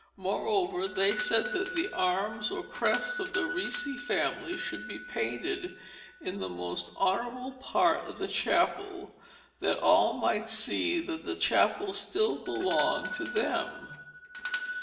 Moreover, they said that the arms or crest of the Ricci family should be painted in the most honourable part of the chapel, that all might see that the chapel still belonged to them.